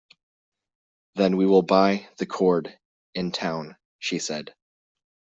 "Then we will buy the cord in town," she said.